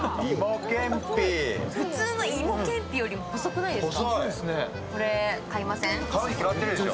普通の芋けんぴよりも細くないですか。